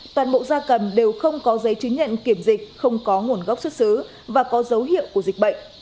toàn bộ da cầm đều không có giấy chứng nhận kiểm dịch không có nguồn gốc xuất xứ và có dấu hiệu của dịch bệnh